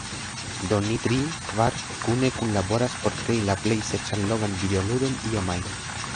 Do ni tri… kvar kune kunlaboras por krei la plej seksallogan videoludon iom ajn.